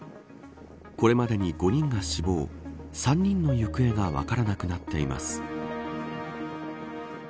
これまでに５人が死亡３人が行方が分からなくなっています。